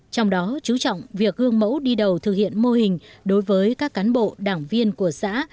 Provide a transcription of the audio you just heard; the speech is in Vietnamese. trong đó chú trọng việc gương mẫu đi đầu thực hiện mô hình đối với các cán bộ đảng viên của xã